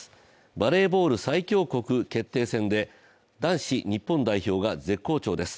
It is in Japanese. バレーボール最強国決定戦で男子日本代表が絶好調です。